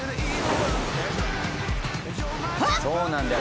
「そうなんだよ。